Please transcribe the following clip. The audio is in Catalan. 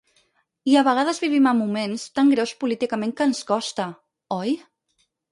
I a vegades vivim en moments tan greus políticament que ens costa, oi?